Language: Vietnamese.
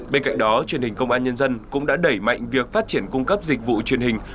bên cạnh đó truyền hình công an nhân dân cũng đã đẩy mạnh việc phát triển cung cấp dịch vụ truyền hình